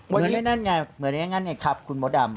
เหมือนอย่างงั้นไงครับคุณหมดอำ